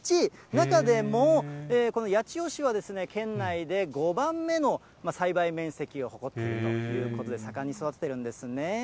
中でも、この八千代市は、県内で５番目の栽培面積を誇っているということで、盛んに育ててるんですね。